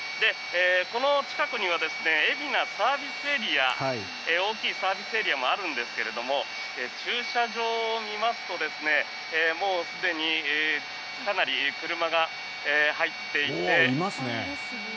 この近くには海老名ＳＡ大きいサービスエリアもあるんですが駐車場を見ますともうすでにかなり車が入っていて。